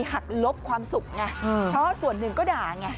หักลบความสุขไงเพราะส่วนหนึ่งก็ด่าไง